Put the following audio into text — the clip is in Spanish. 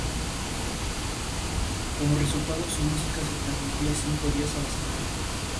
En carretera ha sido doble campeón de Suecia en contrarreloj en categoría juvenil.